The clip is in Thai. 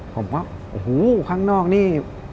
ผมก็โอ้โหข้างนอกนี่